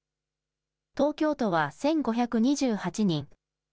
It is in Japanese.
東京都は１５２８人。